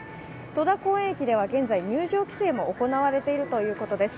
戸田公園駅では現在、入場規制も行われています。